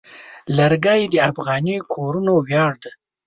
لرګی د افغاني کورنو ویاړ دی.